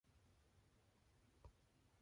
It has also run a retreat event in the fall.